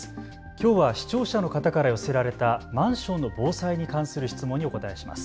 きょうは視聴者の方から寄せられたマンションの防災に関する質問にお答えします。